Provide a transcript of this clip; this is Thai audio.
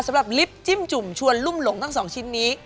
สำหรับลิปจิ้มจุ่มชวนลุ่มหลงทั้งสองชิ้นนี้